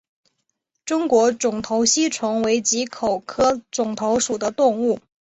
中国肿头吸虫为棘口科肿头属的动物。